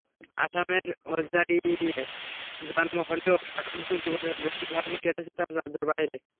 আসামের হোজাইয়ে জন্ম হলেও ষাটোর্ধ্ব জীবনের বেশির ভাগটাই কেটেছে তাঁর রাজ্যের বাইরে।